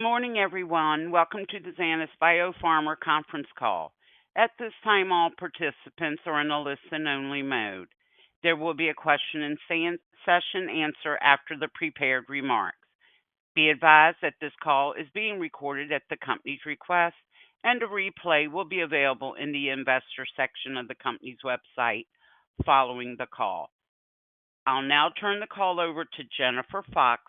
Good morning, everyone. Welcome to the Zenas BioPharma Conference Call. At this time, all participants are on a listen-only mode. There will be a question-and-answer session after the prepared remarks. Be advised that this call is being recorded at the company's request, and a replay will be available in the investor section of the company's website following the call. I'll now turn the call over to Jennifer Fox,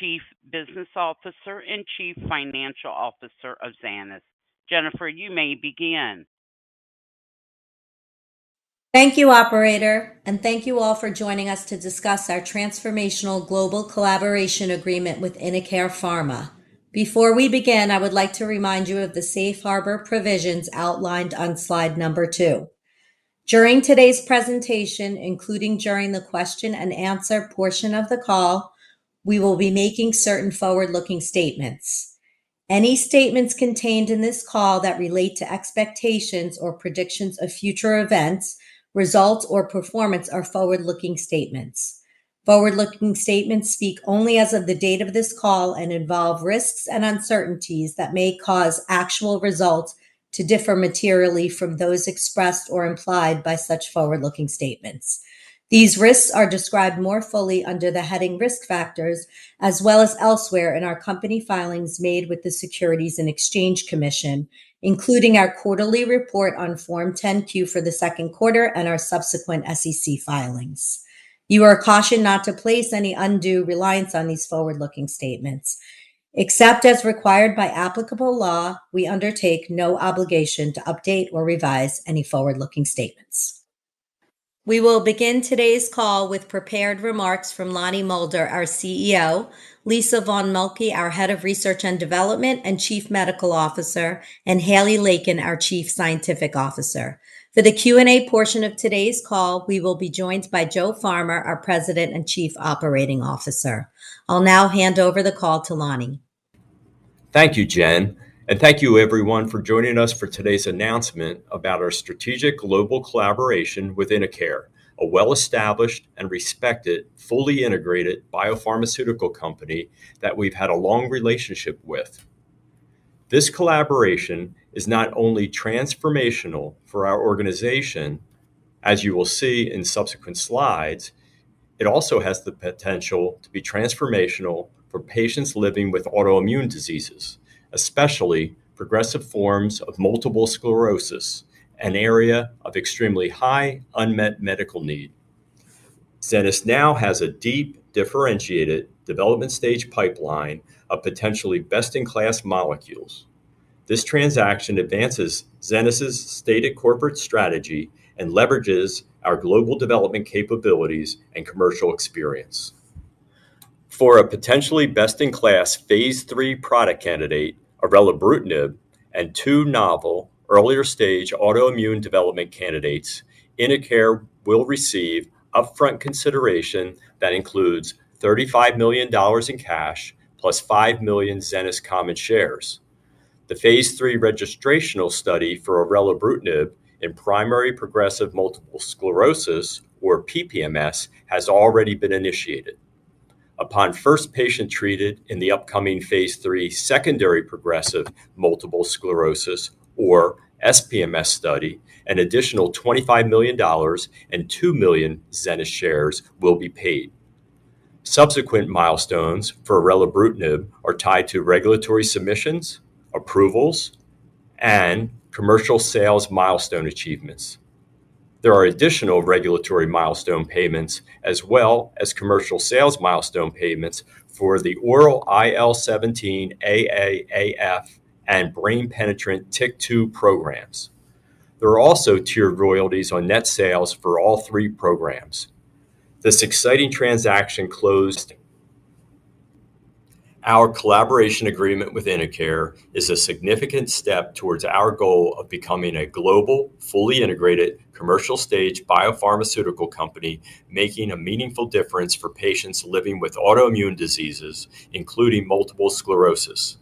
Chief Business Officer and Chief Financial Officer of Zenas. Jennifer, you may begin. Thank you, Operator, and thank you all for joining us to discuss our transformational global collaboration agreement with InnoCare Pharma. Before we begin, I would like to remind you of the safe harbor provisions outlined on slide number two. During today's presentation, including during the question-and-answer portion of the call, we will be making certain forward-looking statements. Any statements contained in this call that relate to expectations or predictions of future events, results, or performance are forward-looking statements. Forward-looking statements speak only as of the date of this call and involve risks and uncertainties that may cause actual results to differ materially from those expressed or implied by such forward-looking statements. These risks are described more fully under the heading risk factors, as well as elsewhere in our company filings made with the Securities and Exchange Commission, including our quarterly report on Form 10-Q for the second quarter and our subsequent SEC filings. You are cautioned not to place any undue reliance on these forward-looking statements. Except as required by applicable law, we undertake no obligation to update or revise any forward-looking statements. We will begin today's call with prepared remarks from Lonnie Moulder, our CEO, Lisa von Moltke, our Head of Research and Development and Chief Medical Officer, and Haley Laken, our Chief Scientific Officer. For the Q&A portion of today's call, we will be joined by Joe Farmer, our President and Chief Operating Officer. I'll now hand over the call to Lonnie. Thank you, Jen, and thank you, everyone, for joining us for today's announcement about our strategic global collaboration with InnoCare, a well-established and respected, fully integrated biopharmaceutical company that we've had a long relationship with. This collaboration is not only transformational for our organization, as you will see in subsequent slides, it also has the potential to be transformational for patients living with autoimmune diseases, especially progressive forms of multiple sclerosis, an area of extremely high unmet medical need. Zenas now has a deep differentiated development stage pipeline of potentially best-in-class molecules. This transaction advances Zenas' stated corporate strategy and leverages our global development capabilities and commercial experience. For a potentially best-in-class phase III product candidate, orelabrutinib, and two novel earlier stage autoimmune development candidates, InnoCare will receive upfront consideration that includes $35 million in cash plus five million Zenas common shares. The phase III registrational study for orelabrutinib in primary progressive multiple sclerosis, or PPMS, has already been initiated. Upon first patient treated in the upcoming phase III secondary progressive multiple sclerosis, or SPMS study, an additional $25 million and two million Zenas shares will be paid. Subsequent milestones for orelabrutinib are tied to regulatory submissions, approvals, and commercial sales milestone achievements. There are additional regulatory milestone payments, as well as commercial sales milestone payments, for the oral IL-17 AA/AF and brain-penetrant TYK2 programs. There are also tiered royalties on net sales for all three programs. This exciting transaction, closed our collaboration agreement with InnoCare, is a significant step toward our goal of becoming a global, fully integrated commercial-stage biopharmaceutical company making a meaningful difference for patients living with autoimmune diseases, including multiple sclerosis.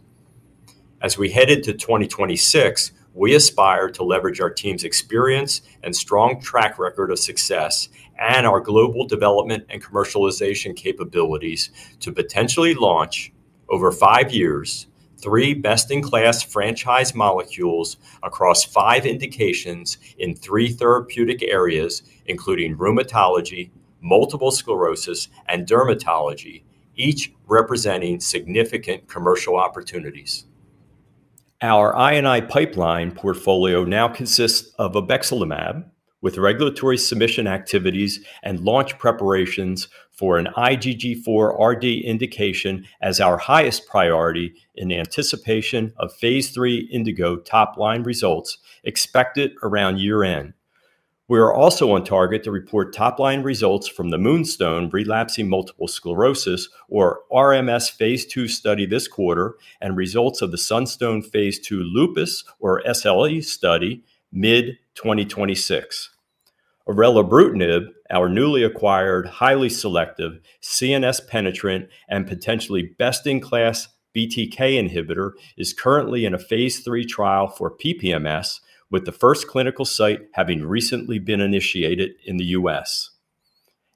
As we head into 2026, we aspire to leverage our team's experience and strong track record of success and our global development and commercialization capabilities to potentially launch, over five years, three best-in-class franchise molecules across five indications in three therapeutic areas, including rheumatology, multiple sclerosis, and dermatology, each representing significant commercial opportunities. Our I&I pipeline portfolio now consists of obexelimab, with regulatory submission activities and launch preparations for an IgG4-RD indication as our highest priority in anticipation of phase III Indigo top-line results expected around year-end. We are also on target to report top-line results from the Moonstone relapsing multiple sclerosis, or RMS, phase II study this quarter, and results of the Sunstone phase II lupus, or SLE, study, mid-2026. Orelabrutinib, our newly acquired, highly selective, CNS-penetrant and potentially best-in-class BTK inhibitor, is currently in a phase III trial for PPMS, with the first clinical site having recently been initiated in the U.S.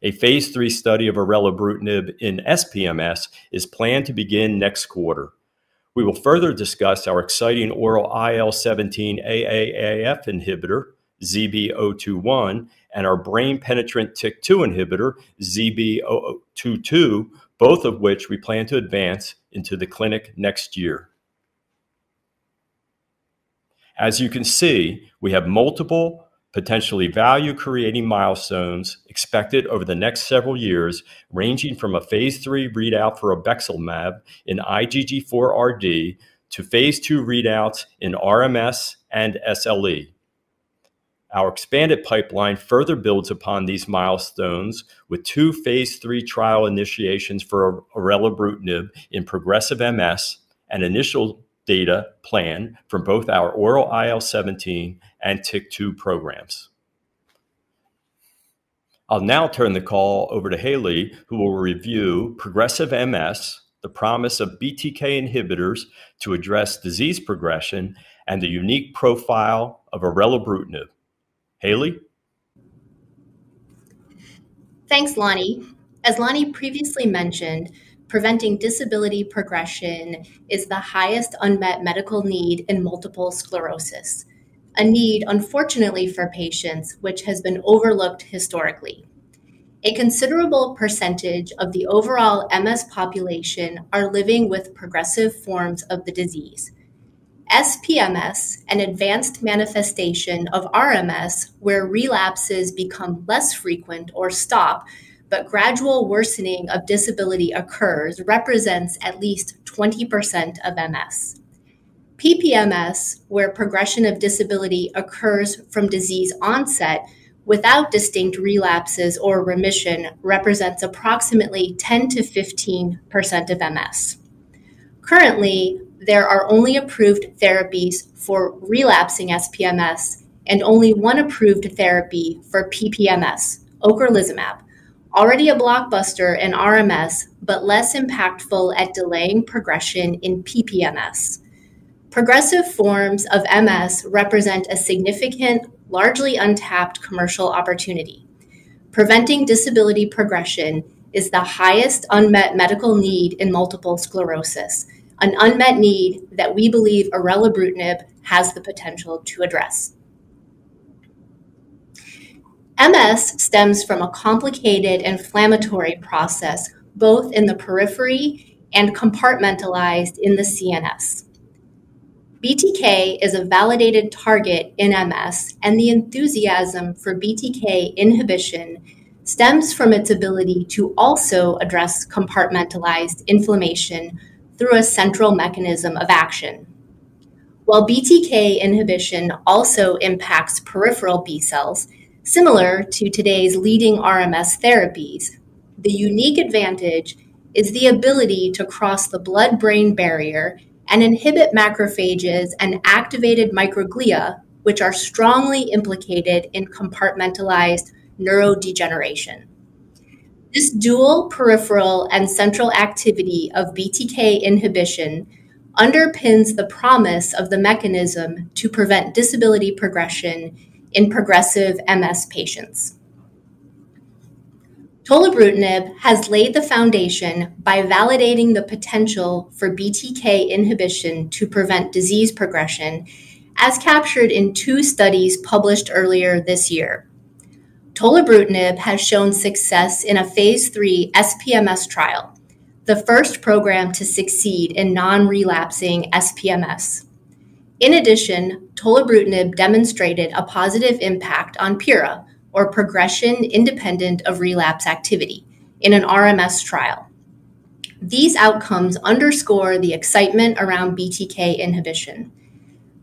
A phase III study of orelabrutinib in SPMS is planned to begin next quarter. We will further discuss our exciting oral IL-17 AA/AF inhibitor, ZB021, and our brain-penetrant TYK2 inhibitor, ZB022, both of which we plan to advance into the clinic next year. As you can see, we have multiple potentially value-creating milestones expected over the next several years, ranging from a phase III readout for obexelimab in IgG4-RD to phase II readouts in RMS and SLE. Our expanded pipeline further builds upon these milestones, with two phase III trial initiations for orelabrutinib in progressive MS and initial data plan from both our oral IL-17 and TYK2 programs. I'll now turn the call over to Haley, who will review progressive MS, the promise of BTK inhibitors to address disease progression, and the unique profile of orelabrutinib. Haley? Thanks, Lonnie. As Lonnie previously mentioned, preventing disability progression is the highest unmet medical need in multiple sclerosis, a need unfortunately for patients which has been overlooked historically. A considerable percentage of the overall MS population are living with progressive forms of the disease. SPMS, an advanced manifestation of RMS, where relapses become less frequent or stop, but gradual worsening of disability occurs, represents at least 20% of MS. PPMS, where progression of disability occurs from disease onset without distinct relapses or remission, represents approximately 10%-15% of MS. Currently, there are only approved therapies for relapsing SPMS and only one approved therapy for PPMS, ocrelizumab, already a blockbuster in RMS but less impactful at delaying progression in PPMS. Progressive forms of MS represent a significant, largely untapped commercial opportunity. Preventing disability progression is the highest unmet medical need in multiple sclerosis, an unmet need that we believe orelabrutinib has the potential to address. MS stems from a complicated inflammatory process, both in the periphery and compartmentalized in the CNS. BTK is a validated target in MS, and the enthusiasm for BTK inhibition stems from its ability to also address compartmentalized inflammation through a central mechanism of action. While BTK inhibition also impacts peripheral B cells, similar to today's leading RMS therapies, the unique advantage is the ability to cross the blood-brain barrier and inhibit macrophages and activated microglia, which are strongly implicated in compartmentalized neurodegeneration. This dual peripheral and central activity of BTK inhibition underpins the promise of the mechanism to prevent disability progression in progressive MS patients. Tolebrutinib has laid the foundation by validating the potential for BTK inhibition to prevent disease progression, as captured in two studies published earlier this year. Tolebrutinib has shown success in a phase III SPMS trial, the first program to succeed in non-relapsing SPMS. In addition, tolebrutinib demonstrated a positive impact on PIRA, or progression independent of relapse activity, in an RMS trial. These outcomes underscore the excitement around BTK inhibition.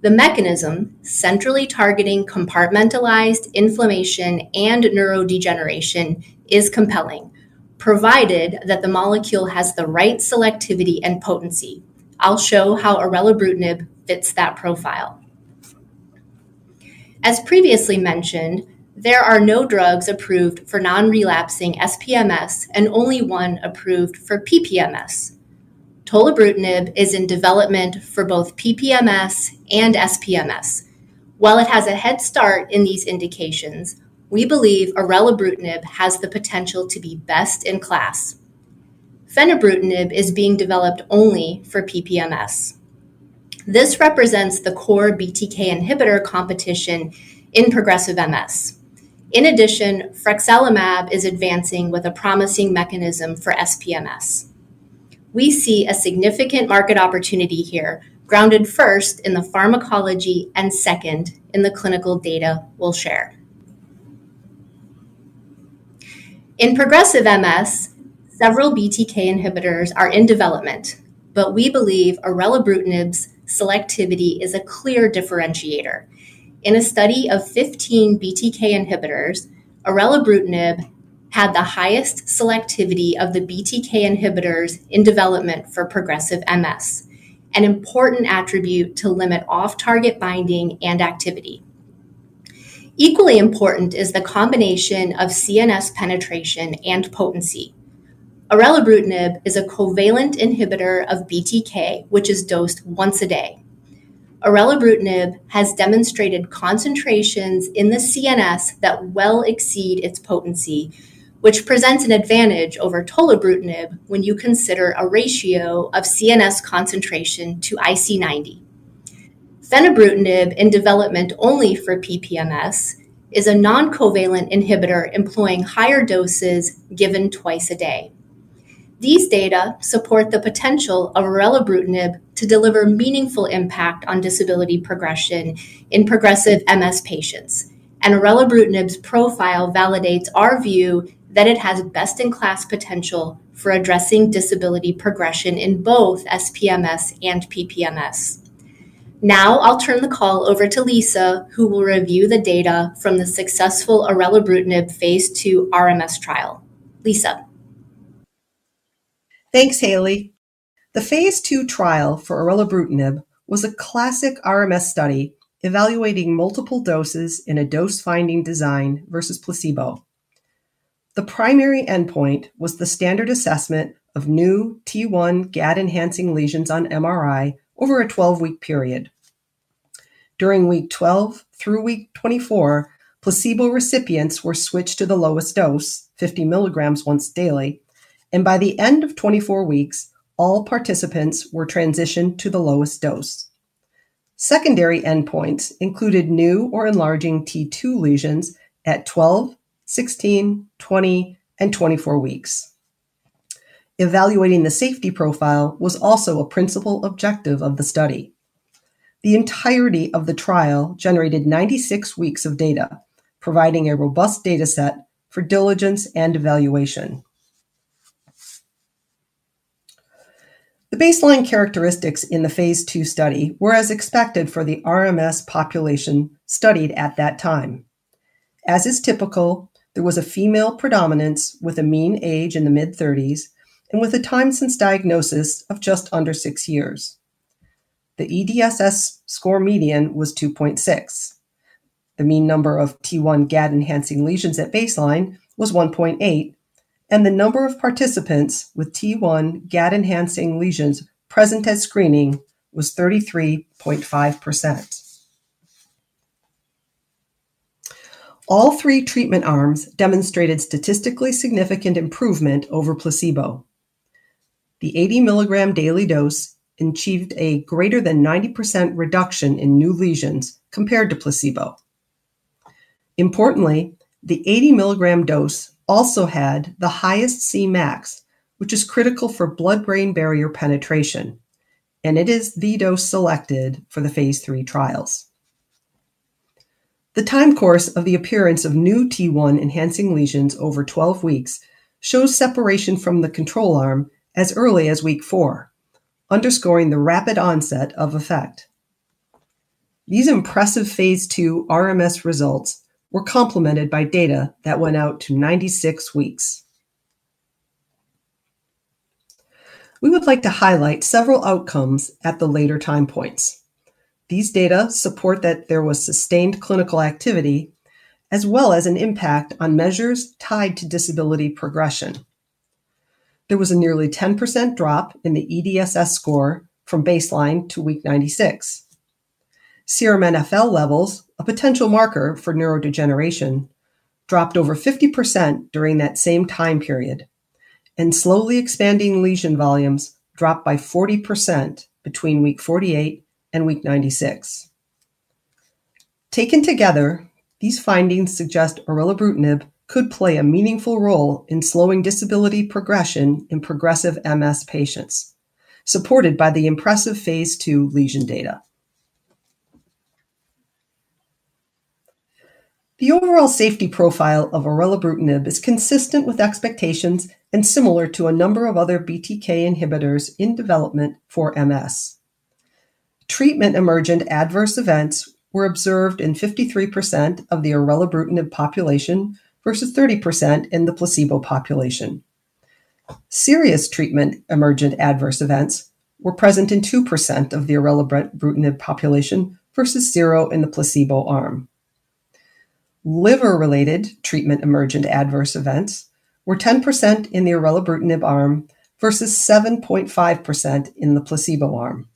The mechanism, centrally targeting compartmentalized inflammation and neurodegeneration, is compelling, provided that the molecule has the right selectivity and potency. I'll show how orelabrutinib fits that profile. As previously mentioned, there are no drugs approved for non-relapsing SPMS and only one approved for PPMS. tolebrutinib is in development for both PPMS and SPMS. While it has a head start in these indications, we believe orelabrutinib has the potential to be best in class. Fenebrutinib is being developed only for PPMS. This represents the core BTK inhibitor competition in progressive MS. In addition, frexalimab is advancing with a promising mechanism for SPMS. We see a significant market opportunity here, grounded first in the pharmacology and second in the clinical data we'll share. In progressive MS, several BTK inhibitors are in development, but we believe orelabrutinib's selectivity is a clear differentiator. In a study of 15 BTK inhibitors, orelabrutinib had the highest selectivity of the BTK inhibitors in development for progressive MS, an important attribute to limit off-target binding and activity. Equally important is the combination of CNS penetration and potency. Orelabrutinib is a covalent inhibitor of BTK, which is dosed once a day. Orelabrutinib has demonstrated concentrations in the CNS that well exceed its potency, which presents an advantage over tolebrutinib when you consider a ratio of CNS concentration to IC90. Fenebrutinib, in development only for PPMS, is a non-covalent inhibitor employing higher doses given twice a day. These data support the potential of orelabrutinib to deliver meaningful impact on disability progression in progressive MS patients, and orelabrutinib's profile validates our view that it has best-in-class potential for addressing disability progression in both SPMS and PPMS. Now I'll turn the call over to Lisa, who will review the data from the successful orelabrutinib phase II RMS trial. Lisa. Thanks, Haley. The phase II trial for orelabrutinib was a classic RMS study evaluating multiple doses in a dose-finding design versus placebo. The primary endpoint was the standard assessment of new T1 Gd-enhancing lesions on MRI over a 12-week period. During week 12 through week 24, placebo recipients were switched to the lowest dose, 50 mg once daily, and by the end of 24 weeks, all participants were transitioned to the lowest dose. Secondary endpoints included new or enlarging T2 lesions at 12, 16, 20, and 24 weeks. Evaluating the safety profile was also a principal objective of the study. The entirety of the trial generated 96 weeks of data, providing a robust dataset for diligence and evaluation. The baseline characteristics in the phase II study were as expected for the RMS population studied at that time. As is typical, there was a female predominance with a mean age in the mid-30s and with a time since diagnosis of just under six years. The EDSS score median was 2.6. The mean number of T1 Gd-enhancing lesions at baseline was 1.8, and the number of participants with T1 Gd-enhancing lesions present at screening was 33.5%. All three treatment arms demonstrated statistically significant improvement over placebo. The 80 mg daily dose achieved a greater than 90% reduction in new lesions compared to placebo. Importantly, the 80 mg dose also had the highest Cmax, which is critical for blood-brain barrier penetration, and it is the dose selected for the phase III trials. The time course of the appearance of new T1-enhancing lesions over 12 weeks shows separation from the control arm as early as week 4, underscoring the rapid onset of effect. These impressive phase II RMS results were complemented by data that went out to 96 weeks. We would like to highlight several outcomes at the later time points. These data support that there was sustained clinical activity as well as an impact on measures tied to disability progression. There was a nearly 10% drop in the EDSS score from baseline to week 96. Serum NfL levels, a potential marker for neurodegeneration, dropped over 50% during that same time period, and slowly expanding lesion volumes dropped by 40% between week 48 and week 96. Taken together, these findings suggest orelabrutinib could play a meaningful role in slowing disability progression in progressive MS patients, supported by the impressive phase II lesion data. The overall safety profile of orelabrutinib is consistent with expectations and similar to a number of other BTK inhibitors in development for MS. Treatment-emergent adverse events were observed in 53% of the orelabrutinib population versus 30% in the placebo population. Serious treatment-emergent adverse events were present in 2% of the orelabrutinib population versus 0% in the placebo arm. Liver-related treatment-emergent adverse events were 10% in the orelabrutinib arm versus 7.5% in the placebo arm.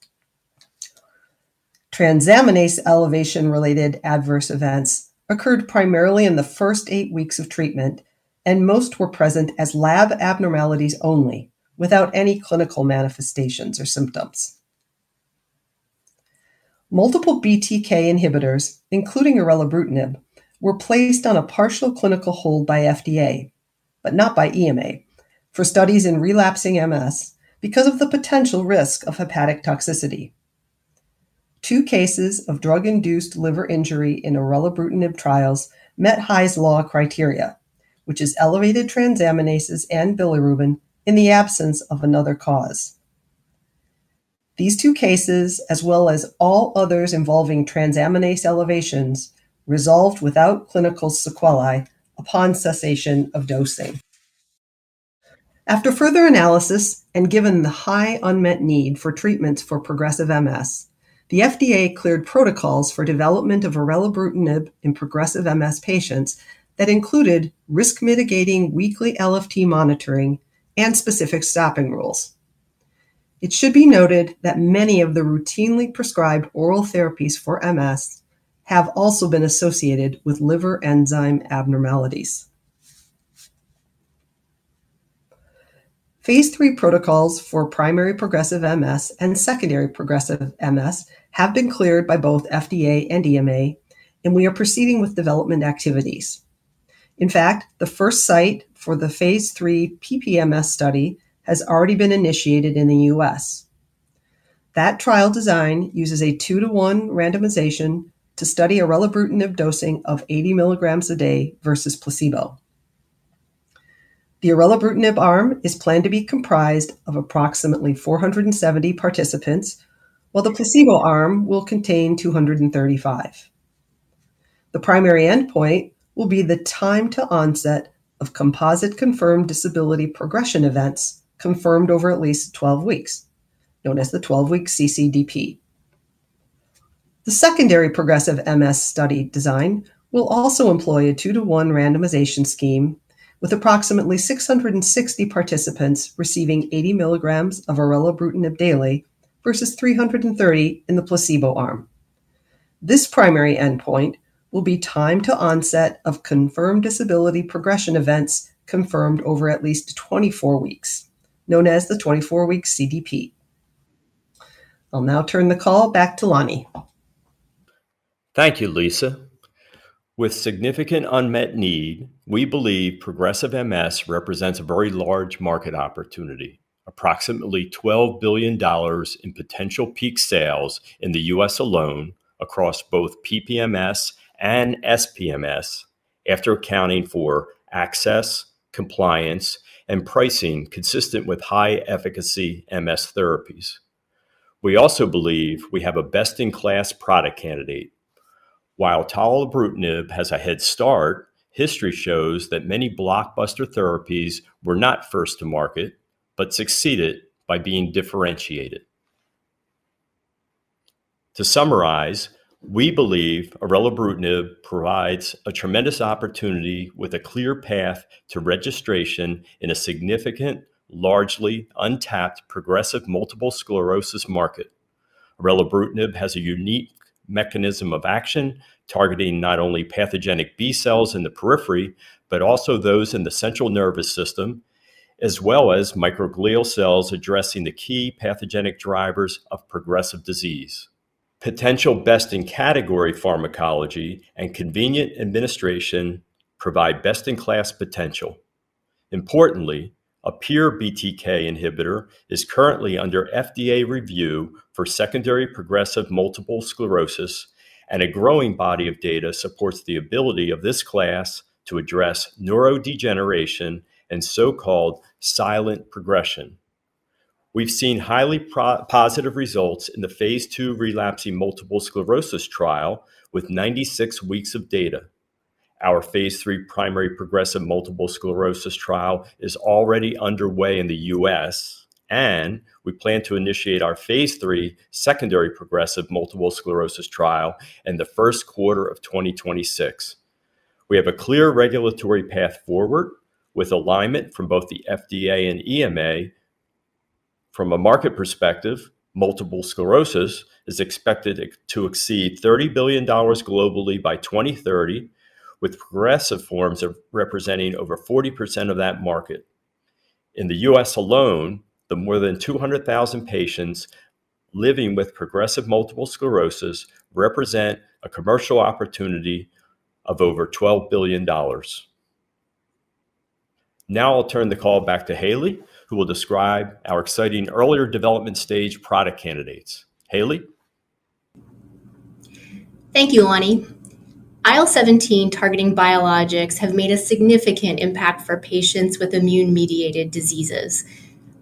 Transaminase elevation-related adverse events occurred primarily in the first eight weeks of treatment, and most were present as lab abnormalities only, without any clinical manifestations or symptoms. Multiple BTK inhibitors, including orelabrutinib, were placed on a partial clinical hold by FDA, but not by EMA, for studies in relapsing MS because of the potential risk of hepatic toxicity. Two cases of drug-induced liver injury in orelabrutinib trials met Hy's Law criteria, which is elevated transaminases and bilirubin in the absence of another cause. These two cases, as well as all others involving transaminase elevations, resolved without clinical sequelae upon cessation of dosing. After further analysis and given the high unmet need for treatments for progressive MS, the FDA cleared protocols for development of orelabrutinib in progressive MS patients that included risk-mitigating weekly LFT monitoring and specific stopping rules. It should be noted that many of the routinely prescribed oral therapies for MS have also been associated with liver enzyme abnormalities. Phase III protocols for primary progressive MS and secondary progressive MS have been cleared by both FDA and EMA, and we are proceeding with development activities. In fact, the first site for the phase III PPMS study has already been initiated in the U.S. That trial design uses a 2-to-1 randomization to study orelabrutinib dosing of 80 mg a day versus placebo. The orelabrutinib arm is planned to be comprised of approximately 470 participants, while the placebo arm will contain 235. The primary endpoint will be the time to onset of composite-confirmed disability progression events confirmed over at least 12 weeks, known as the 12-week CCDP. The secondary progressive MS study design will also employ a 2-to-1 randomization scheme with approximately 660 participants receiving 80 mg of orelabrutinib daily versus 330 in the placebo arm. This primary endpoint will be time to onset of confirmed disability progression events confirmed over at least 24 weeks, known as the 24-week CDP. I'll now turn the call back to Lonnie. Thank you, Lisa. With significant unmet need, we believe progressive MS represents a very large market opportunity: approximately $12 billion in potential peak sales in the U.S. alone across both PPMS and SPMS, after accounting for access, compliance, and pricing consistent with high-efficacy MS therapies. We also believe we have a best-in-class product candidate. While tolebrutinib has a head start, history shows that many blockbuster therapies were not first to market but succeeded by being differentiated. To summarize, we believe orelabrutinib provides a tremendous opportunity with a clear path to registration in a significant, largely untapped progressive multiple sclerosis market. Orelabrutinib has a unique mechanism of action targeting not only pathogenic B cells in the periphery but also those in the central nervous system, as well as microglial cells addressing the key pathogenic drivers of progressive disease. Potential best-in-category pharmacology and convenient administration provide best-in-class potential. Importantly, a pure BTK inhibitor is currently under FDA review for secondary progressive multiple sclerosis, and a growing body of data supports the ability of this class to address neurodegeneration and so-called silent progression. We've seen highly positive results in the phase II relapsing multiple sclerosis trial with 96 weeks of data. Our phase III primary progressive multiple sclerosis trial is already underway in the U.S., and we plan to initiate our phase III secondary progressive multiple sclerosis trial in the first quarter of 2026. We have a clear regulatory path forward with alignment from both the FDA and EMA. From a market perspective, multiple sclerosis is expected to exceed $30 billion globally by 2030, with progressive forms representing over 40% of that market. In the U.S. alone, the more than 200,000 patients living with progressive multiple sclerosis represent a commercial opportunity of over $12 billion. Now I'll turn the call back to Haley, who will describe our exciting earlier development stage product candidates. Haley. Thank you, Lonnie. IL-17 targeting biologics have made a significant impact for patients with immune-mediated diseases.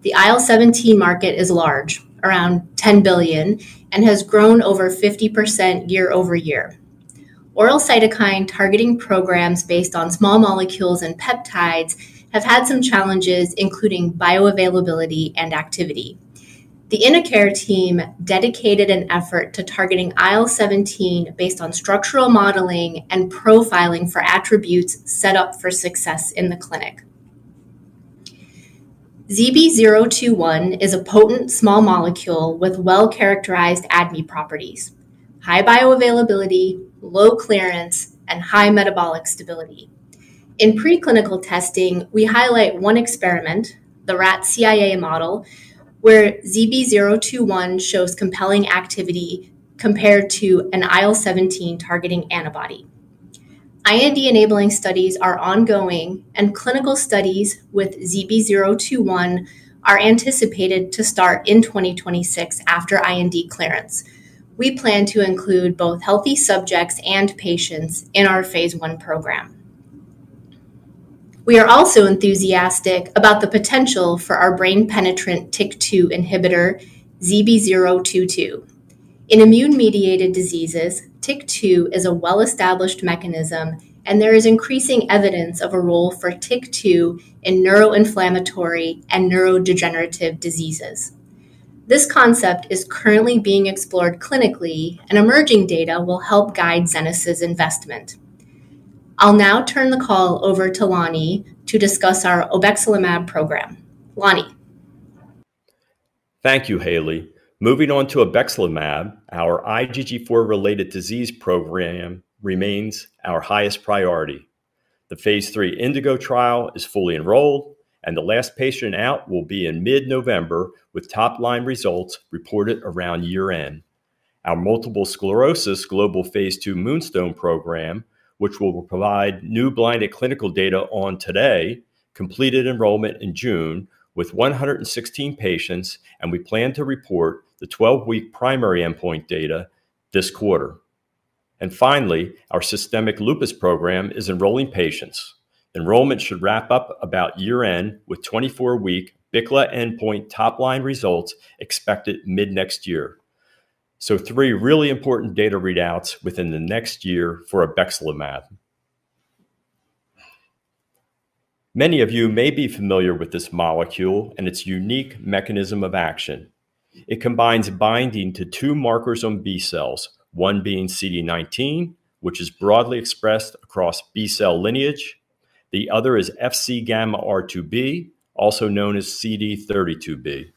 The IL-17 market is large, around $10 billion, and has grown over 50% year-over-year. Oral cytokine targeting programs based on small molecules and peptides have had some challenges, including bioavailability and activity. The InnoCare team dedicated an effort to targeting IL-17 based on structural modeling and profiling for attributes set up for success in the clinic. ZB021 is a potent small molecule with well-characterized ADME properties: high bioavailability, low clearance, and high metabolic stability. In preclinical testing, we highlight one experiment, the rat CIA model, where ZB021 shows compelling activity compared to an IL-17 targeting antibody. IND-enabling studies are ongoing, and clinical studies with ZB021 are anticipated to start in 2026 after IND clearance. We plan to include both healthy subjects and patients in our phase I program. We are also enthusiastic about the potential for our brain-penetrant TYK2 inhibitor, ZB022. In immune-mediated diseases, TYK2 is a well-established mechanism, and there is increasing evidence of a role for TYK2 in neuroinflammatory and neurodegenerative diseases. This concept is currently being explored clinically, and emerging data will help guide Zenas' investment. I'll now turn the call over to Lonnie to discuss our obexelimab program. Lonnie. Thank you, Haley. Moving on to obexelimab, our IgG4-related disease program remains our highest priority. The phase III Indigo trial is fully enrolled, and the last patient out will be in mid-November with top-line results reported around year-end. Our multiple sclerosis global phase II Moonstone program, which will provide new blinded clinical data on today, completed enrollment in June with 116 patients, and we plan to report the 12-week primary endpoint data this quarter. And finally, our systemic lupus program is enrolling patients. Enrollment should wrap up about year-end with 24-week BICLA endpoint top-line results expected mid-next year. So, three really important data readouts within the next year for obexelimab. Many of you may be familiar with this molecule and its unique mechanism of action. It combines binding to two markers on B cells, one being CD19, which is broadly expressed across B cell lineage. The other is Fc gamma R2b, also known as CD32b.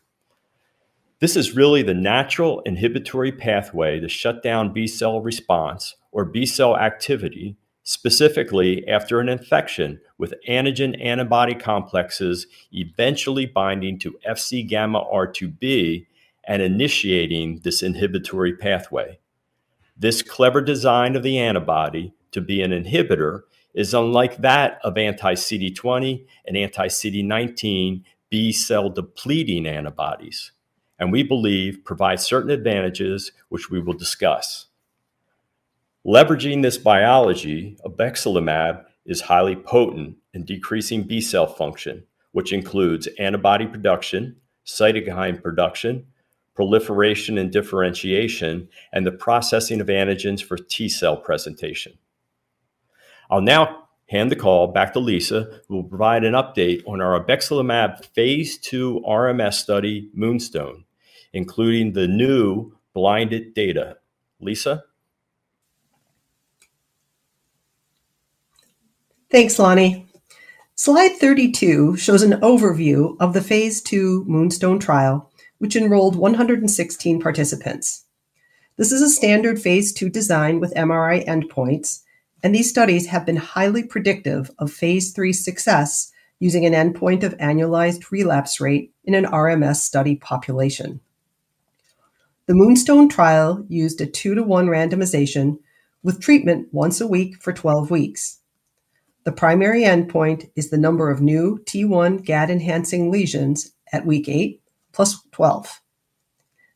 This is really the natural inhibitory pathway to shut down B cell response or B cell activity, specifically after an infection with antigen-antibody complexes eventually binding to Fc gamma R2b and initiating this inhibitory pathway. This clever design of the antibody to be an inhibitor is unlike that of anti-CD20 and anti-CD19 B cell depleting antibodies, and we believe provides certain advantages which we will discuss. Leveraging this biology, obexelimab is highly potent in decreasing B cell function, which includes antibody production, cytokine production, proliferation and differentiation, and the processing of antigens for T cell presentation. I'll now hand the call back to Lisa, who will provide an update on our obexelimab phase II RMS study Moonstone, including the new blinded data. Lisa? Thanks, Lonnie. Slide 32 shows an overview of the phase II Moonstone trial, which enrolled 116 participants. This is a standard phase II design with MRI endpoints, and these studies have been highly predictive of phase III success using an endpoint of annualized relapse rate in an RMS study population. The Moonstone trial used a 2-to-1 randomization with treatment once a week for 12 weeks. The primary endpoint is the number of new T1 Gd-enhancing lesions at week 8 plus 12.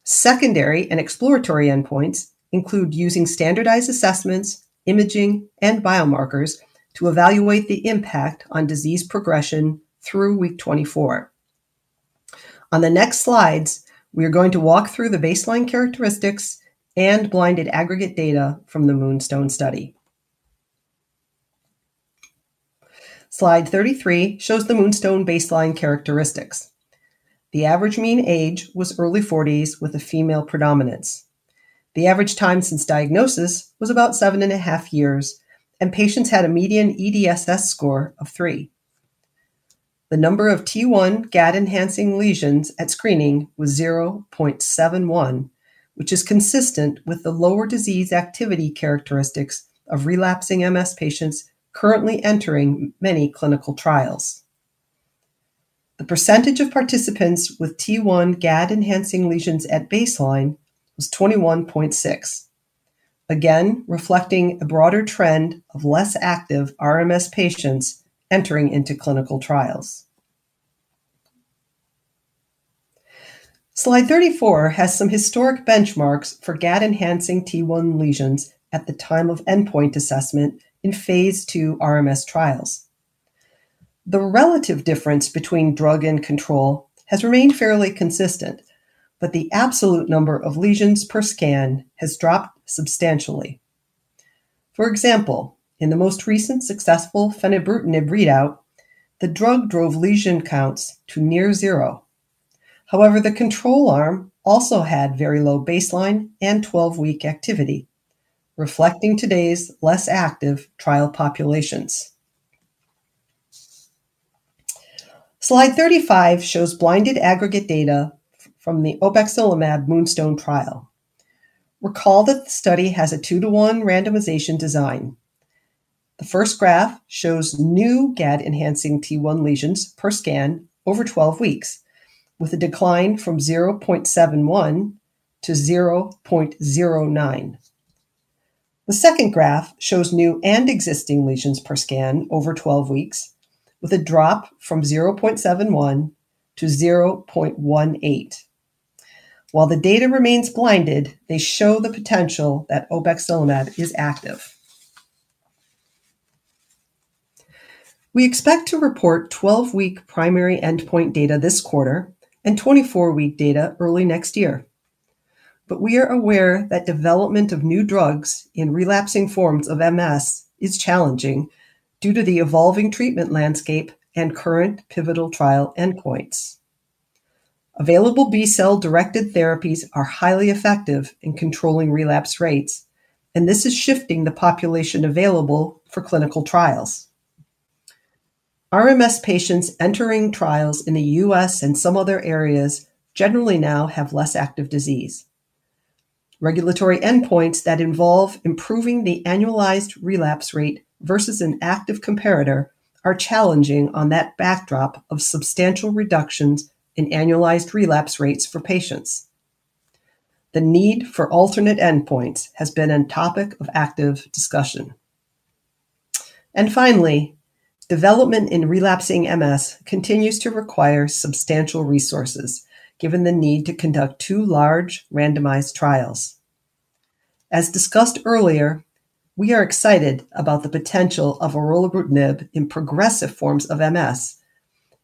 Secondary and exploratory endpoints include using standardized assessments, imaging, and biomarkers to evaluate the impact on disease progression through week 24. On the next slides, we are going to walk through the baseline characteristics and blinded aggregate data from the Moonstone study. Slide 33 shows the Moonstone baseline characteristics. The average mean age was early 40s with a female predominance. The average time since diagnosis was about seven and a half years, and patients had a median EDSS score of three. The number of T1 Gd-enhancing lesions at screening was 0.71, which is consistent with the lower disease activity characteristics of relapsing MS patients currently entering many clinical trials. The percentage of participants with T1 Gd-enhancing lesions at baseline was 21.6%, again reflecting a broader trend of less active RMS patients entering into clinical trials. Slide 34 has some historic benchmarks for Gd-enhancing T1 lesions at the time of endpoint assessment in phase II RMS trials. The relative difference between drug and control has remained fairly consistent, but the absolute number of lesions per scan has dropped substantially. For example, in the most recent successful fenebrutinib readout, the drug drove lesion counts to near zero. However, the control arm also had very low baseline and 12-week activity, reflecting today's less active trial populations. Slide 35 shows blinded aggregate data from the obexelimab Moonstone trial. Recall that the study has a 2-to-1 randomization design. The first graph shows new T1 Gd-enhancing lesions per scan over 12 weeks, with a decline from 0.71 to 0.09. The second graph shows new and existing lesions per scan over 12 weeks, with a drop from 0.71 to 0.18. While the data remains blinded, they show the potential that obexelimab is active. We expect to report 12-week primary endpoint data this quarter and 24-week data early next year, but we are aware that development of new drugs in relapsing forms of MS is challenging due to the evolving treatment landscape and current pivotal trial endpoints. Available B-cell-directed therapies are highly effective in controlling relapse rates, and this is shifting the population available for clinical trials. RMS patients entering trials in the U.S. and some other areas generally now have less active disease. Regulatory endpoints that involve improving the annualized relapse rate versus an active comparator are challenging on that backdrop of substantial reductions in annualized relapse rates for patients. The need for alternate endpoints has been a topic of active discussion. And finally, development in relapsing MS continues to require substantial resources, given the need to conduct two large randomized trials. As discussed earlier, we are excited about the potential of orelabrutinib in progressive forms of MS,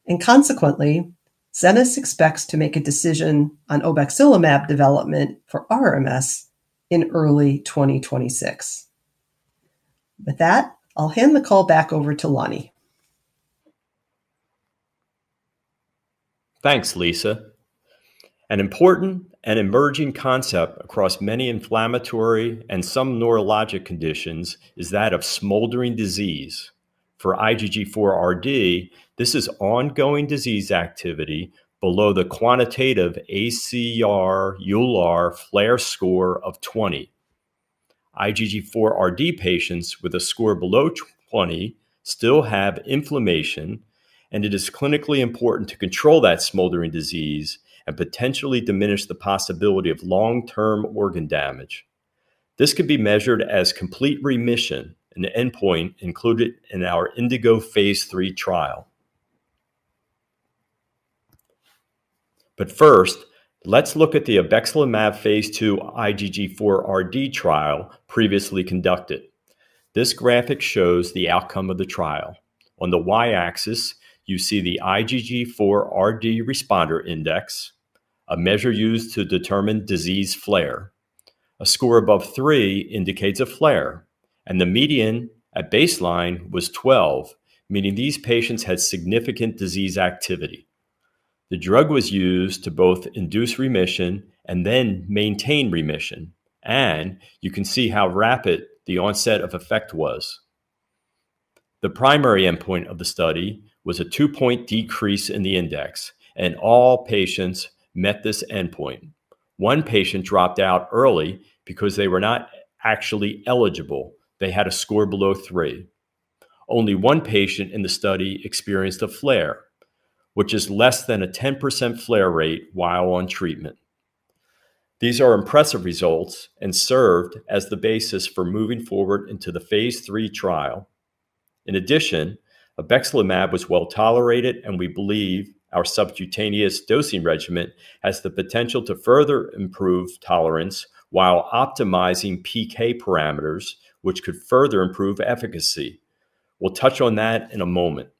and consequently, Zenas expects to make a decision on obexelimab development for RMS in early 2026. With that, I'll hand the call back over to Lonnie. Thanks, Lisa. An important and emerging concept across many inflammatory and some neurologic conditions is that of smoldering disease. For IgG4-RD, this is ongoing disease activity below the quantitative ACR/EULAR flare score of 20. IgG4-RD patients with a score below 20 still have inflammation, and it is clinically important to control that smoldering disease and potentially diminish the possibility of long-term organ damage. This could be measured as complete remission, an endpoint included in our Indigo phase III trial. But first, let's look at the obexelimab phase II IgG4-RD trial previously conducted. This graphic shows the outcome of the trial. On the y-axis, you see the IgG4-RD responder index, a measure used to determine disease flare. A score above three indicates a flare, and the median at baseline was 12, meaning these patients had significant disease activity. The drug was used to both induce remission and then maintain remission, and you can see how rapid the onset of effect was. The primary endpoint of the study was a two-point decrease in the index, and all patients met this endpoint. One patient dropped out early because they were not actually eligible. They had a score below three. Only one patient in the study experienced a flare, which is less than a 10% flare rate while on treatment. These are impressive results and served as the basis for moving forward into the phase III trial. In addition, obexelimab was well tolerated, and we believe our subcutaneous dosing regimen has the potential to further improve tolerance while optimizing PK parameters, which could further improve efficacy. We'll touch on that in a moment.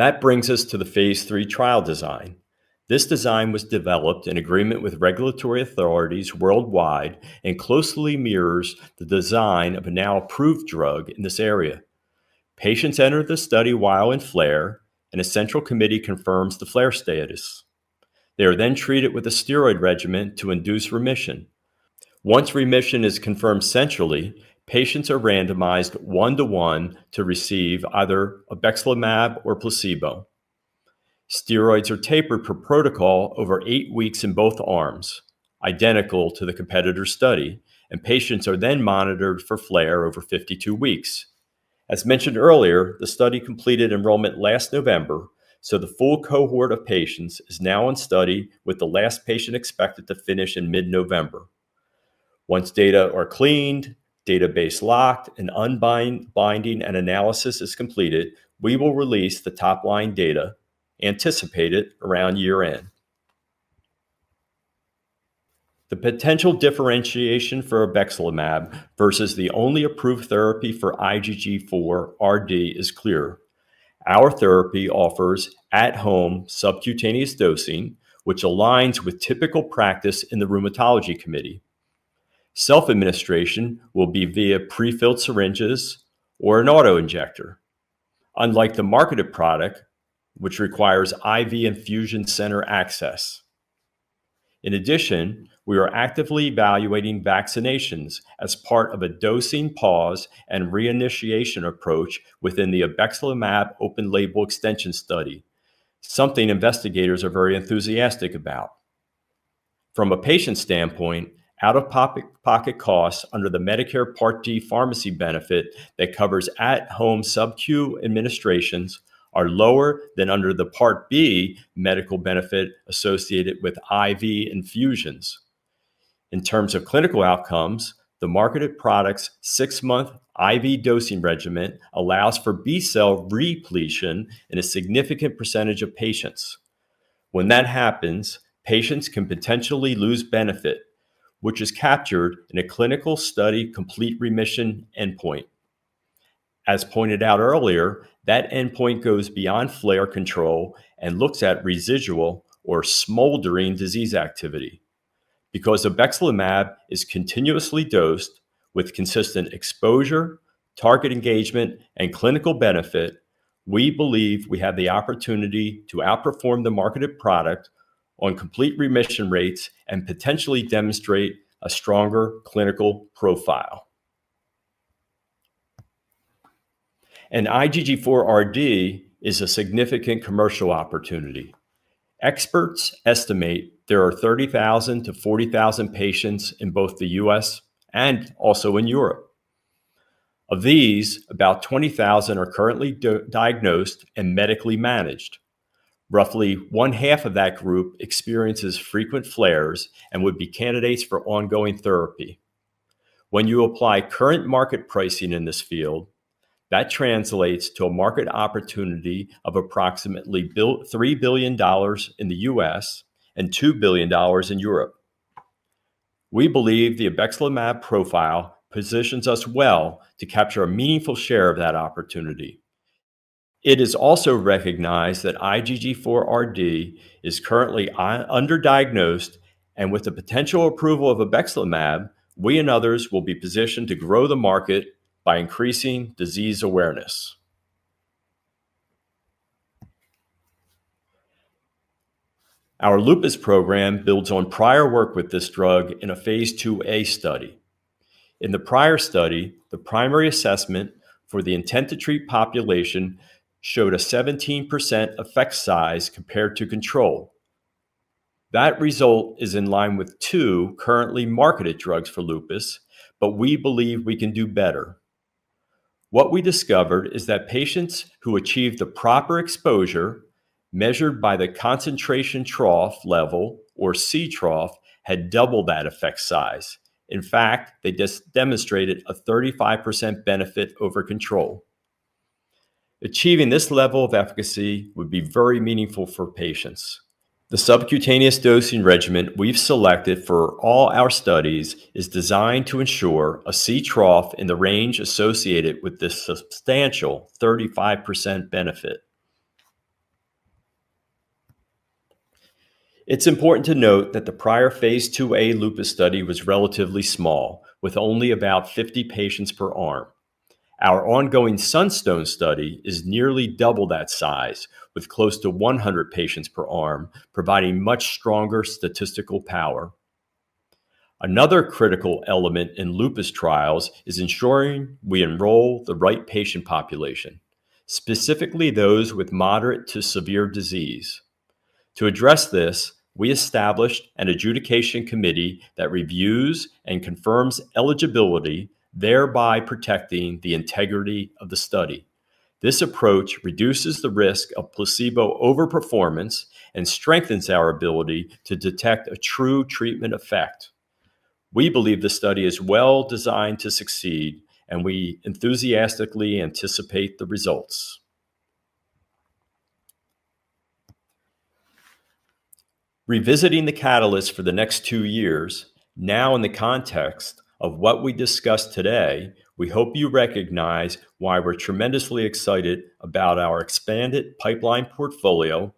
That brings us to the phase III trial design. This design was developed in agreement with regulatory authorities worldwide and closely mirrors the design of a now-approved drug in this area. Patients enter the study while in flare, and a central committee confirms the flare status. They are then treated with a steroid regimen to induce remission. Once remission is confirmed centrally, patients are randomized one-to-one to receive either obexelimab or placebo. Steroids are tapered per protocol over eight weeks in both arms, identical to the competitor study, and patients are then monitored for flare over 52 weeks. As mentioned earlier, the study completed enrollment last November, so the full cohort of patients is now in study with the last patient expected to finish in mid-November. Once data are cleaned, database locked, and unblinding and analysis is completed, we will release the top-line data anticipated around year-end. The potential differentiation for obexelimab versus the only approved therapy for IgG4-RD is clear. Our therapy offers at-home subcutaneous dosing, which aligns with typical practice in the rheumatology community. Self-administration will be via prefilled syringes or an autoinjector, unlike the marketed product, which requires IV infusion center access. In addition, we are actively evaluating vaccinations as part of a dosing pause and reinitiation approach within the obexelimab open-label extension study, something investigators are very enthusiastic about. From a patient standpoint, out-of-pocket costs under the Medicare Part D pharmacy benefit that covers at-home subcu administrations are lower than under the Part B medical benefit associated with IV infusions. In terms of clinical outcomes, the marketed product's six-month IV dosing regimen allows for B cell repletion in a significant percentage of patients. When that happens, patients can potentially lose benefit, which is captured in a clinical study complete remission endpoint. As pointed out earlier, that endpoint goes beyond flare control and looks at residual or smoldering disease activity. Because obexelimab is continuously dosed with consistent exposure, target engagement, and clinical benefit, we believe we have the opportunity to outperform the marketed product on complete remission rates and potentially demonstrate a stronger clinical profile. And IgG4-RD is a significant commercial opportunity. Experts estimate there are 30,000 to 40,000 patients in both the U.S. and also in Europe. Of these, about 20,000 are currently diagnosed and medically managed. Roughly one-half of that group experiences frequent flares and would be candidates for ongoing therapy. When you apply current market pricing in this field, that translates to a market opportunity of approximately $3 billion in the U.S. and $2 billion in Europe. We believe the obexelimab profile positions us well to capture a meaningful share of that opportunity. It is also recognized that IgG4-RD is currently underdiagnosed, and with the potential approval of obexelimab, we and others will be positioned to grow the market by increasing disease awareness. Our lupus program builds on prior work with this drug in a phase II-A study. In the prior study, the primary assessment for the intent-to-treat population showed a 17% effect size compared to control. That result is in line with two currently marketed drugs for lupus, but we believe we can do better. What we discovered is that patients who achieved the proper exposure, measured by the concentration trough level or C trough, had double that effect size. In fact, they demonstrated a 35% benefit over control. Achieving this level of efficacy would be very meaningful for patients. The subcutaneous dosing regimen we've selected for all our studies is designed to ensure a C trough in the range associated with this substantial 35% benefit. It's important to note that the prior phase II-A lupus study was relatively small, with only about 50 patients per arm. Our ongoing Sunstone study is nearly double that size, with close to 100 patients per arm, providing much stronger statistical power. Another critical element in lupus trials is ensuring we enroll the right patient population, specifically those with moderate to severe disease. To address this, we established an adjudication committee that reviews and confirms eligibility, thereby protecting the integrity of the study. This approach reduces the risk of placebo overperformance and strengthens our ability to detect a true treatment effect. We believe the study is well designed to succeed, and we enthusiastically anticipate the results. Revisiting the catalyst for the next two years, now in the context of what we discussed today, we hope you recognize why we're tremendously excited about our expanded pipeline portfolio,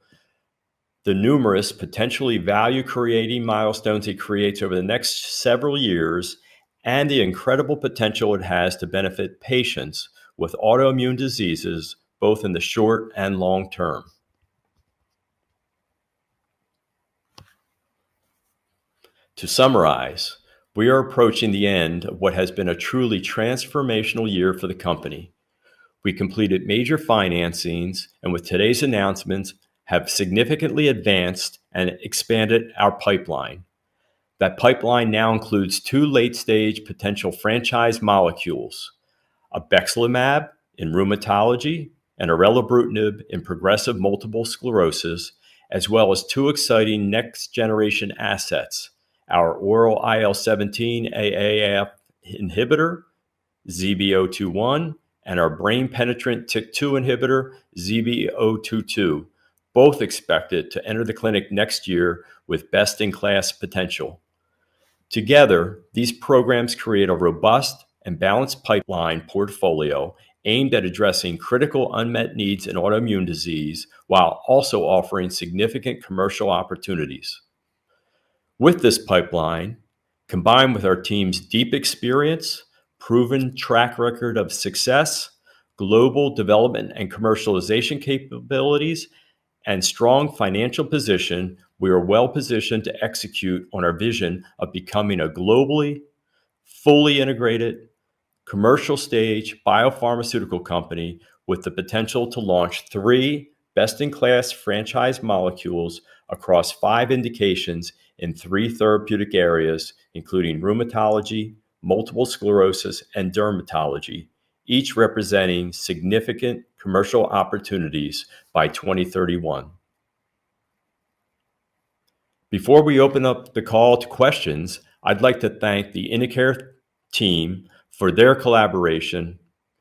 the numerous potentially value-creating milestones it creates over the next several years, and the incredible potential it has to benefit patients with autoimmune diseases, both in the short and long term. To summarize, we are approaching the end of what has been a truly transformational year for the company. We completed major financings, and with today's announcements, have significantly advanced and expanded our pipeline. That pipeline now includes two late-stage potential franchise molecules, obexelimab in rheumatology and orelabrutinib in progressive multiple sclerosis, as well as two exciting next-generation assets, our oral IL-17 inhibitor, ZB021, and our brain-penetrating TYK2 inhibitor, ZB022, both expected to enter the clinic next year with best-in-class potential. Together, these programs create a robust and balanced pipeline portfolio aimed at addressing critical unmet needs in autoimmune disease while also offering significant commercial opportunities. With this pipeline, combined with our team's deep experience, proven track record of success, global development and commercialization capabilities, and strong financial position, we are well positioned to execute on our vision of becoming a globally fully integrated commercial-stage biopharmaceutical company with the potential to launch three best-in-class franchise molecules across five indications in three therapeutic areas, including rheumatology, multiple sclerosis, and dermatology, each representing significant commercial opportunities by 2031. Before we open up the call to questions, I'd like to thank the InnoCare team for their collaboration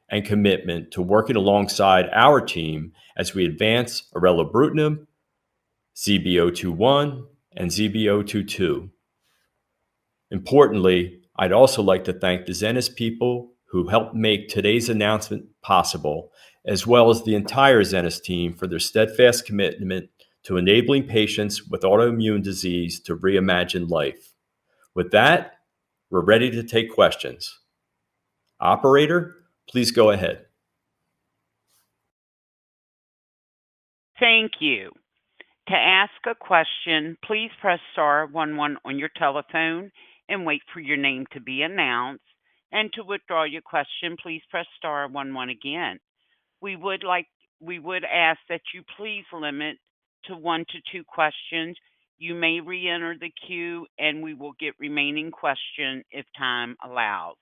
and commitment to working alongside our team as we advance orelabrutinib, ZB021, and ZB022. Importantly, I'd also like to thank the Zenas people who helped make today's announcement possible, as well as the entire Zenas team for their steadfast commitment to enabling patients with autoimmune disease to reimagine life. With that, we're ready to take questions. Operator, please go ahead. Thank you. To ask a question, please press star one one on your telephone and wait for your name to be announced, and to withdraw your question, please press star one one again. We would ask that you please limit to one to two questions. You may re-enter the queue, and we will get remaining questions if time allows.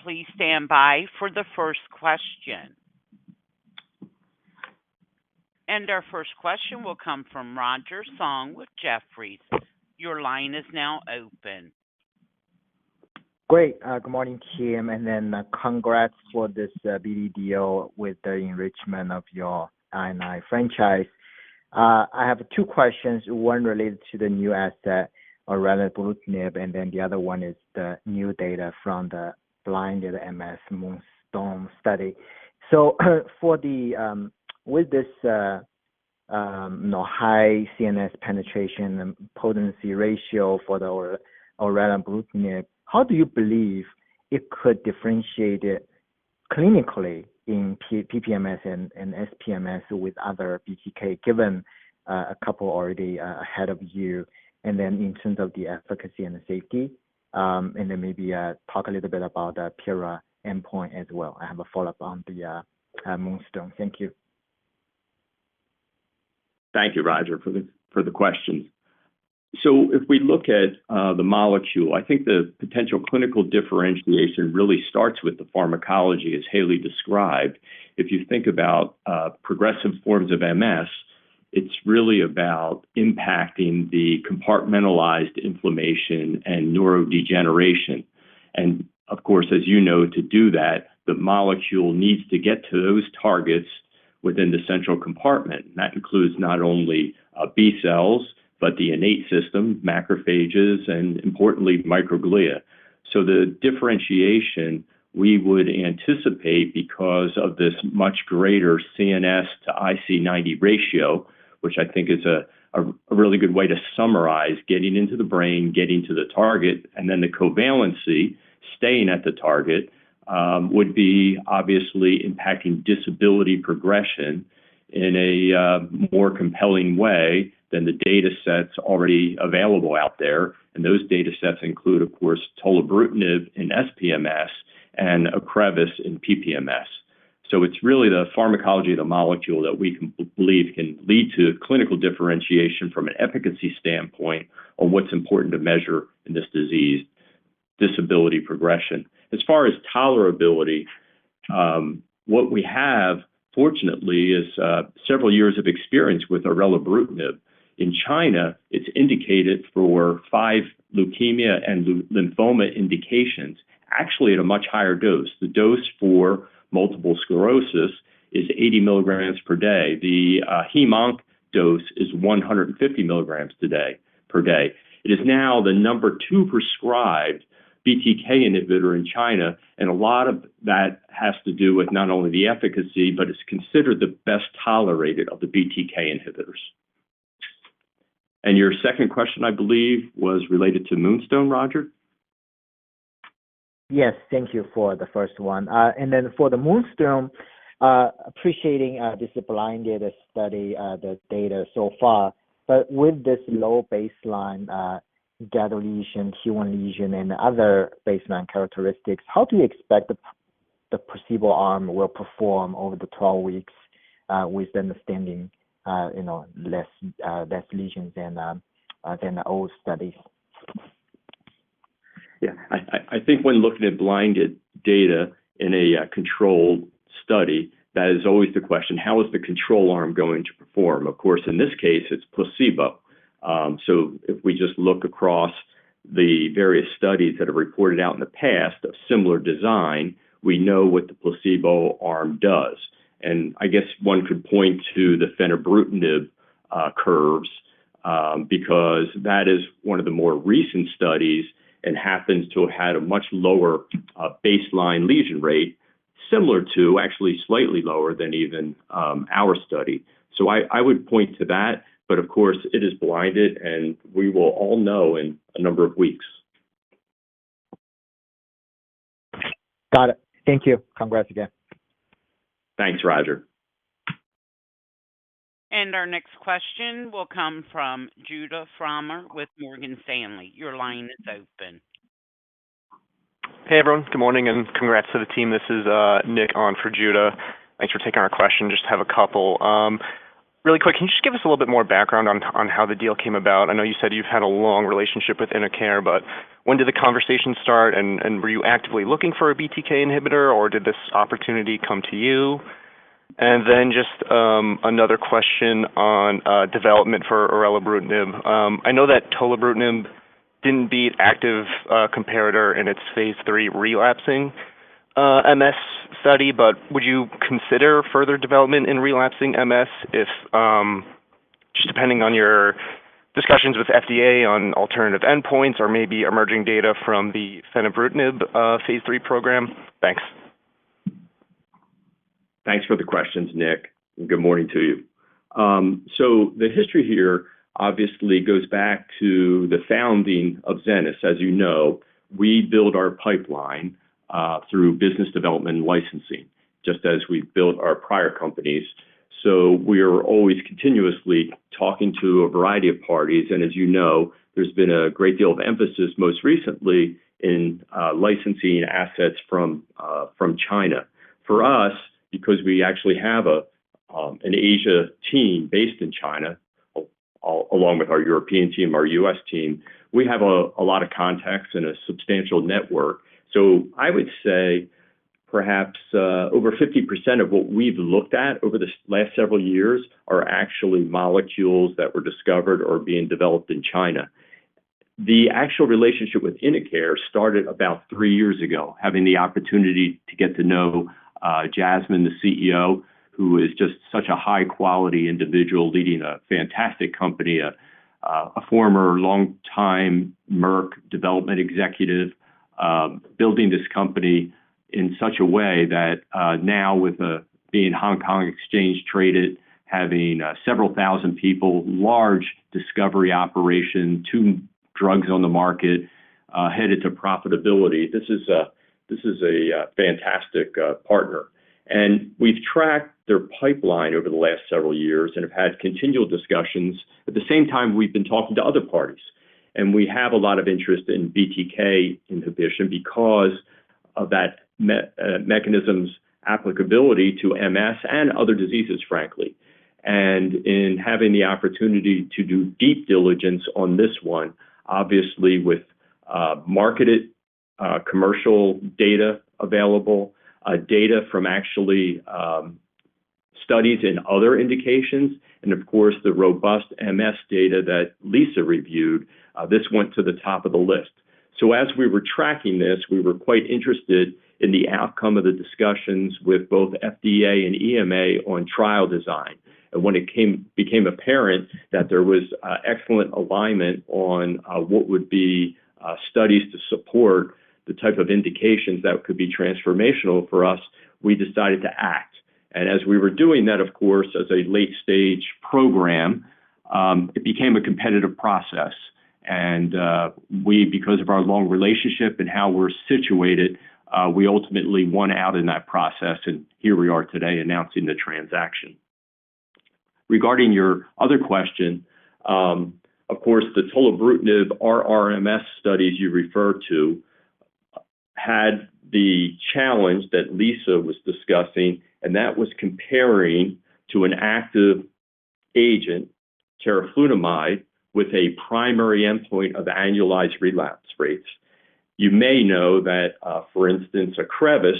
Please stand by for the first question, and our first question will come from Roger Song with Jefferies. Your line is now open. Great. Good morning, team, and then congrats for this BD deal with the enrichment of your I&I franchise. I have two questions, one related to the new asset, orelabrutinib, and then the other one is the new data from the blinded MS Moonstone study, so with this high CNS penetration and potency ratio for the orelabrutinib, how do you believe it could differentiate clinically in PPMS and SPMS with other BTK, given a couple already ahead of you, and then in terms of the efficacy and the safety, and then maybe talk a little bit about the PIRA endpoint as well. I have a follow-up on the Moonstone. Thank you. Thank you, Roger, for the questions. So if we look at the molecule, I think the potential clinical differentiation really starts with the pharmacology, as Haley described, so if you think about progressive forms of MS, it's really about impacting the compartmentalized inflammation and neurodegeneration, and of course, as you know, to do that, the molecule needs to get to those targets within the central compartment, and that includes not only B cells, but the innate system, macrophages, and importantly, microglia, so the differentiation we would anticipate because of this much greater CNS to IC90 ratio, which I think is a really good way to summarize, getting into the brain, getting to the target, and then the covalency staying at the target would be obviously impacting disability progression in a more compelling way than the data sets already available out there. And those data sets include, of course, tolebrutinib in SPMS and Ocrevus in PPMS. So it's really the pharmacology of the molecule that we believe can lead to clinical differentiation from an efficacy standpoint on what's important to measure in this disease, disability progression. As far as tolerability, what we have, fortunately, is several years of experience with orelabrutinib. In China, it's indicated for five leukemia and lymphoma indications, actually at a much higher dose. The dose for multiple sclerosis is 80 mg per day. The hem/onc dose is 150 mg per day. It is now the number two prescribed BTK inhibitor in China. And a lot of that has to do with not only the efficacy, but it's considered the best tolerated of the BTK inhibitors. And your second question, I believe, was related to Moonstone, Roger? Yes, thank you for the first one and then for the Moonstone, appreciating this blinded study, the data so far, but with this low baseline Gd lesion, T1 lesion, and other baseline characteristics, how do you expect the placebo arm will perform over the 12 weeks with understanding less lesions than the old studies? Yeah. I think when looking at blinded data in a controlled study, that is always the question, how is the control arm going to perform? Of course, in this case, it's placebo. So if we just look across the various studies that have reported out in the past of similar design, we know what the placebo arm does. And I guess one could point to the fenebrutinib curves because that is one of the more recent studies and happens to have had a much lower baseline lesion rate, similar to, actually slightly lower than even our study. So I would point to that. But of course, it is blinded, and we will all know in a number of weeks. Got it. Thank you. Congrats again. Thanks, Roger. Our next question will come from Judah Frommer with Morgan Stanley. Your line is open. Hey, everyone. Good morning and congrats to the team. This is Nick on for Judah. Thanks for taking our question. Just have a couple. Really quick, can you just give us a little bit more background on how the deal came about? I know you said you've had a long relationship with InnoCare, but when did the conversation start? And were you actively looking for a BTK inhibitor, or did this opportunity come to you? And then just another question on development for orelabrutinib. I know that tolebrutinib didn't be an active comparator in its phase III relapsing MS study, but would you consider further development in relapsing MS if just depending on your discussions with FDA on alternative endpoints or maybe emerging data from the fenebrutinib phase III program? Thanks. Thanks for the questions, Nick. And good morning to you. So the history here obviously goes back to the founding of Zenas. As you know, we build our pipeline through business development and licensing, just as we built our prior companies. So we are always continuously talking to a variety of parties. And as you know, there's been a great deal of emphasis most recently in licensing assets from China. For us, because we actually have an Asia team based in China, along with our European team, our U.S. team, we have a lot of contacts and a substantial network. So I would say perhaps over 50% of what we've looked at over the last several years are actually molecules that were discovered or being developed in China. The actual relationship with InnoCare started about three years ago, having the opportunity to get to know Jasmine, the CEO, who is just such a high-quality individual leading a fantastic company, a former longtime Merck development executive, building this company in such a way that now, with being Hong Kong exchange traded, having several thousand people, large discovery operation, two drugs on the market, headed to profitability, this is a fantastic partner. And we've tracked their pipeline over the last several years and have had continual discussions. At the same time, we've been talking to other parties. And we have a lot of interest in BTK inhibition because of that mechanism's applicability to MS and other diseases, frankly. And in having the opportunity to do deep diligence on this one, obviously with marketed commercial data available, data from actually studies in other indications, and of course, the robust MS data that Lisa reviewed, this went to the top of the list. So as we were tracking this, we were quite interested in the outcome of the discussions with both FDA and EMA on trial design. And when it became apparent that there was excellent alignment on what would be studies to support the type of indications that could be transformational for us, we decided to act. And as we were doing that, of course, as a late-stage program, it became a competitive process. And we, because of our long relationship and how we're situated, we ultimately won out in that process. And here we are today announcing the transaction. Regarding your other question, of course, the tolebrutinib RRMS studies you referred to had the challenge that Lisa was discussing, and that was comparing to an active agent, teriflunomide, with a primary endpoint of annualized relapse rates. You may know that, for instance, Ocrevus,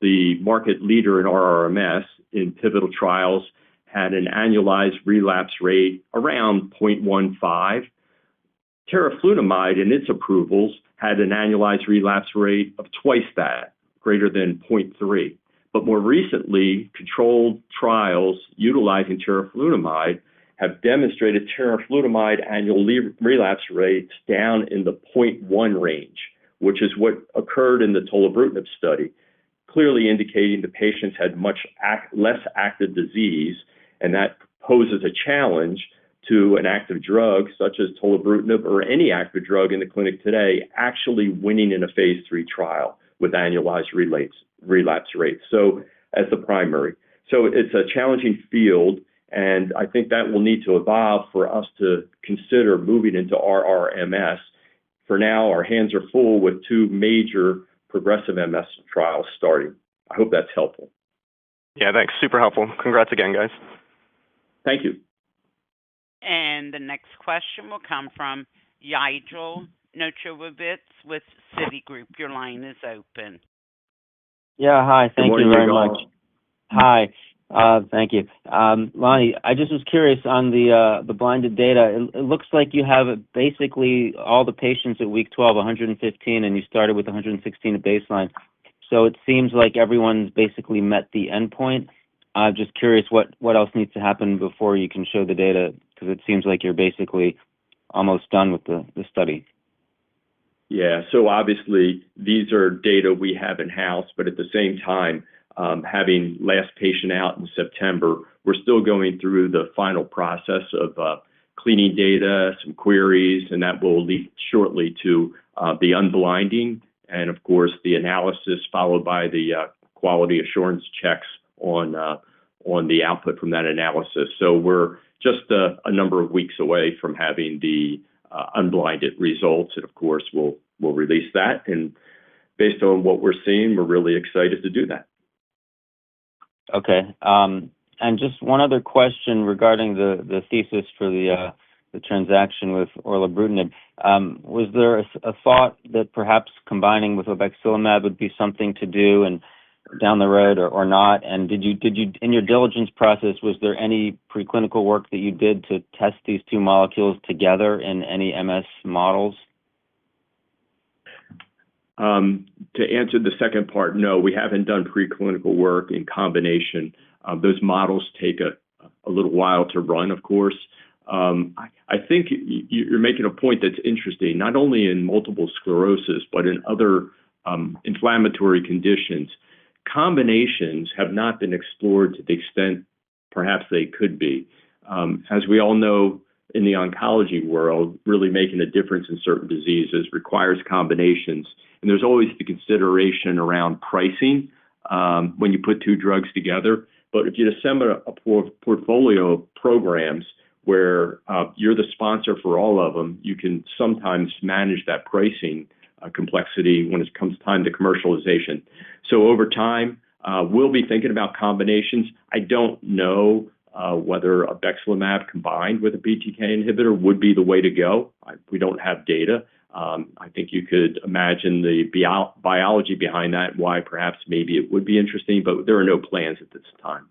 the market leader in RRMS in pivotal trials, had an annualized relapse rate around 0.15. Teriflunomide and its approvals had an annualized relapse rate of twice that, greater than 0.3. But more recently, controlled trials utilizing teriflunomide have demonstrated teriflunomide annual relapse rates down in the 0.1 range, which is what occurred in the tolebrutinib study, clearly indicating the patients had much less active disease. And that poses a challenge to an active drug such as tolebrutinib or any active drug in the clinic today actually winning in a phase III trial with annualized relapse rates as the primary. So it's a challenging field. And I think that will need to evolve for us to consider moving into RRMS. For now, our hands are full with two major progressive MS trials starting. I hope that's helpful. Yeah, thanks. Super helpful. Congrats again, guys. Thank you. And the next question will come from Yigal Nochomovitz with Citigroup. Your line is open. Yeah. Hi. Thank you very much. Hi. Thank you. Lonnie, I just was curious on the blinded data. It looks like you have basically all the patients at week 12, 115, and you started with 116 at baseline. So it seems like everyone's basically met the endpoint. I'm just curious what else needs to happen before you can show the data because it seems like you're basically almost done with the study. Yeah. So obviously, these are data we have in-house. But at the same time, having last patient out in September, we're still going through the final process of cleaning data, some queries, and that will lead shortly to the unblinding and, of course, the analysis followed by the quality assurance checks on the output from that analysis. So we're just a number of weeks away from having the unblinded results. And of course, we'll release that. And based on what we're seeing, we're really excited to do that. Okay. And just one other question regarding the thesis for the transaction with orelabrutinib. Was there a thought that perhaps combining with obexelimab would be something to do down the road or not? And in your diligence process, was there any preclinical work that you did to test these two molecules together in any MS models? To answer the second part, no, we haven't done preclinical work in combination. Those models take a little while to run, of course. I think you're making a point that's interesting, not only in multiple sclerosis, but in other inflammatory conditions. Combinations have not been explored to the extent perhaps they could be. As we all know, in the oncology world, really making a difference in certain diseases requires combinations. And there's always the consideration around pricing when you put two drugs together. But if you'd assemble a portfolio of programs where you're the sponsor for all of them, you can sometimes manage that pricing complexity when it comes time to commercialization. So over time, we'll be thinking about combinations. I don't know whether obexelimab combined with a BTK inhibitor would be the way to go. We don't have data. I think you could imagine the biology behind that, why perhaps maybe it would be interesting. But there are no plans at this time.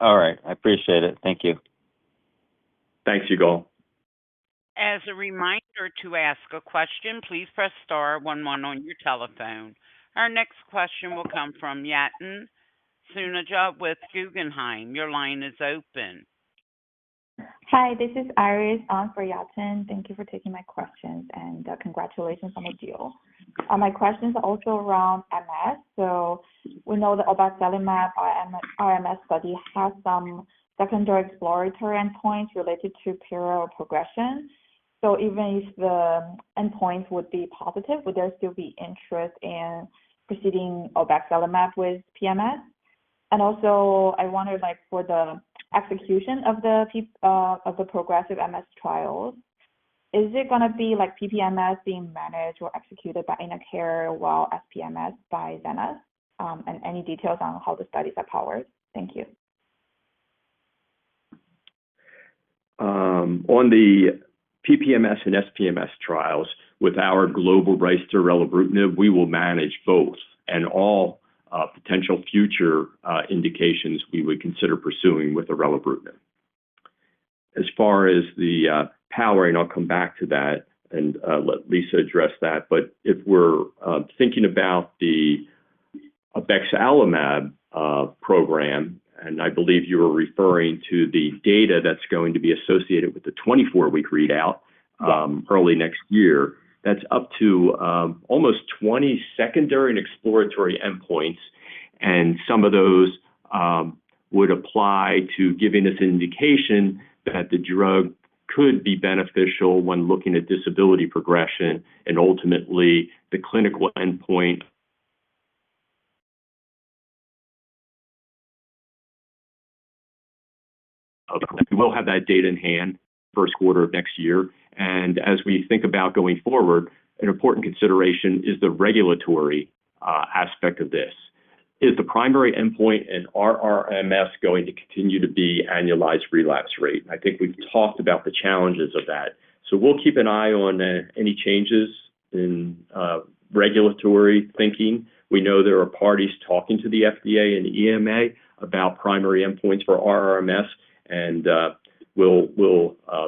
All right. I appreciate it. Thank you. Thanks, Yigal. As a reminder to ask a question, please press star then one on your telephone. Our next question will come from Yatin Suneja with Guggenheim. Your line is open. Hi. This is Iris on for Yatin. Thank you for taking my questions and congratulations on the deal. My question is also around MS. So we know that obexelimab RMS study has some secondary exploratory endpoints related to PIRA progression. So even if the endpoints would be positive, would there still be interest in proceeding obexelimab with PMS? And also, I wonder for the execution of the progressive MS trials, is it going to be PPMS being managed or executed by InnoCare while SPMS by Zenas? And any details on how the studies are powered? Thank you. On the PPMS and SPMS trials with our global rights to orelabrutinib, we will manage both, and all potential future indications we would consider pursuing with orelabrutinib. As far as the powering, I'll come back to that and let Lisa address that, but if we're thinking about the obexelimab program, and I believe you were referring to the data that's going to be associated with the 24-week readout early next year, that's up to almost 20 secondary and exploratory endpoints, and some of those would apply to giving us an indication that the drug could be beneficial when looking at disability progression and ultimately the clinical endpoint. We will have that data in hand first quarter of next year, and as we think about going forward, an important consideration is the regulatory aspect of this. Is the primary endpoint in RRMS going to continue to be annualized relapse rate? I think we've talked about the challenges of that. So we'll keep an eye on any changes in regulatory thinking. We know there are parties talking to the FDA and EMA about primary endpoints for RRMS. And we'll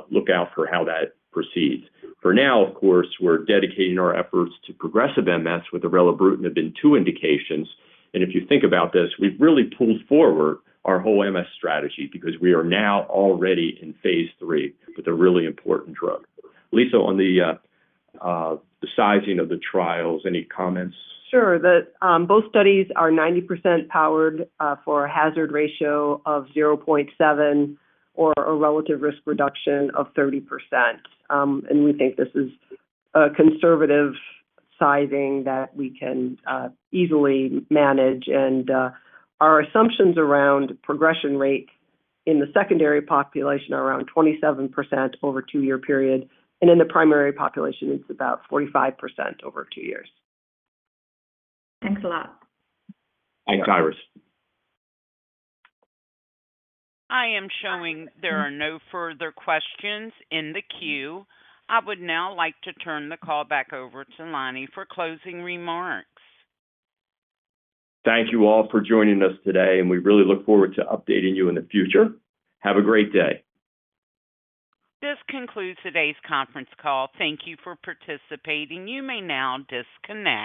look out for how that proceeds. For now, of course, we're dedicating our efforts to progressive MS with orelabrutinib in two indications. And if you think about this, we've really pulled forward our whole MS strategy because we are now already in phase III with a really important drug. Lisa, on the sizing of the trials, any comments? Sure. Both studies are 90% powered for a hazard ratio of 0.7 or a relative risk reduction of 30%. And we think this is a conservative sizing that we can easily manage. And our assumptions around progression rate in the secondary population are around 27% over a two-year period. And in the primary population, it's about 45% over two years. Thanks a lot. Thanks, Iris. I am showing there are no further questions in the queue. I would now like to turn the call back over to Lonnie for closing remarks. Thank you all for joining us today. And we really look forward to updating you in the future. Have a great day. This concludes today's conference call. Thank you for participating. You may now disconnect.